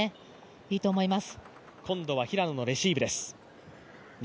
いいと思います。